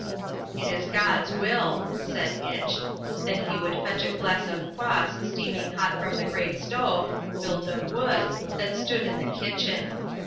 "It is God's will," said Itch. Then he would fetch a glass of Kwas steaming hot from the great stove, built of wood, that stood in the kitchen.